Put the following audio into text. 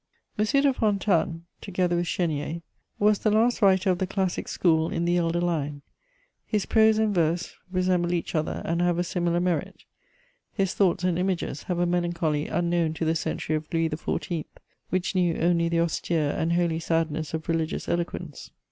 [Sidenote: The Marquis de Fontanes.] M. de Fontanes, together with Chénier, was the last writer of the classic school in the elder line: his prose and verse resemble each other and have a similar merit. His thoughts and images have a melancholy unknown to the century of Louis XIV., which knew only the austere and holy sadness of religious eloquence.